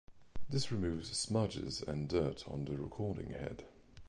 This removes smudges and dirt on the recording head.